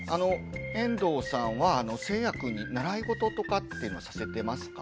遠藤さんはせいやくんに習い事とかっていうのさせてますか？